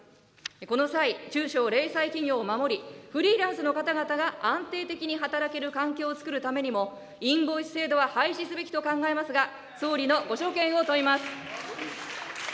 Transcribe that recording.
この際、中小零細企業を守り、フリーランスの方々が安定的に働ける環境をつくるためにも、インボイス制度は廃止すべきと考えますが、総理のご所見を問います。